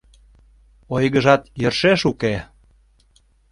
Ойгыжат йӧршеш уке.